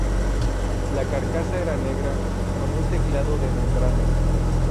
La carcasa era negra, con un teclado de membrana.